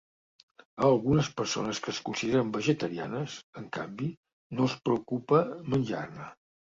A algunes persones que es consideren vegetarianes, en canvi, no els preocupa menjar-ne.